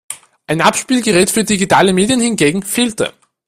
Ein Abspielgerät für digitale Medien hingegen fehlte.